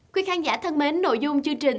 quý khán giả thân mến nội dung chương trình